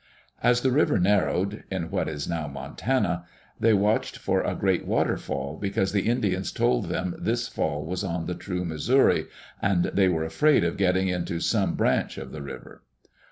As the river narrowed (in what is now Montana), they watched for a great waterfall, because the Indians told them this fall was on the true Missouri, and they were afraid of getting into some branch of the river.